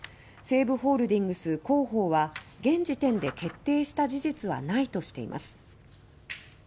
西武ホールディングス広報は「現時点で決定した事実はない」としています。